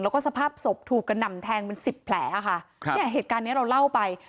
แล้วก็สภาพศพถูกกระหน่ำแทงเป็นสิบแผลอ่ะค่ะครับเนี่ยเหตุการณ์เนี้ยเราเล่าไป